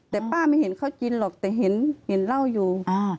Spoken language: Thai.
แต่ป้าไม่เห็นเขากินหรอกแต่เห็นเหล้าอยู่